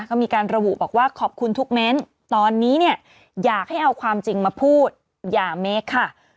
ก็มีการระบุบอกว่าขอบคุณทุกเม้นตอนนี้เนี่ยอยากให้เอาความจริงมาพูดอย่าเมคค่ะ